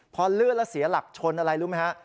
พอลื่นแล้วเสียหลักชนอะไรรู้ไหมฮะ